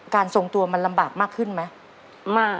ทรงตัวมันลำบากมากขึ้นไหม